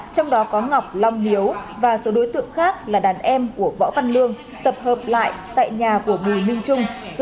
trong đó có ngọc long hiếu và số đối tượng khác là đàn em của võ văn lương tập hợp lại tại nhà của bùi minh trung